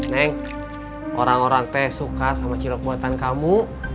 neng orang orang teh suka sama cilok buatan kamu